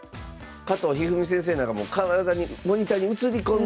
加藤一二三先生なんかもうモニターに映り込んでたり。